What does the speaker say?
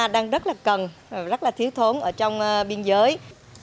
đang rất là cần rất là thiếu thốn ở trong biên giới